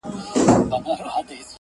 کورنۍ دننه جګړه روانه ده تل,